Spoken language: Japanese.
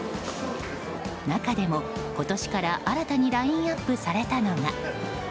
中でも今年から新たにラインアップされたのが。